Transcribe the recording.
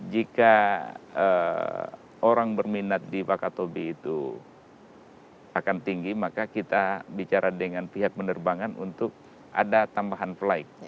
jika orang berminat di wakatobi itu akan tinggi maka kita bicara dengan pihak penerbangan untuk ada tambahan flight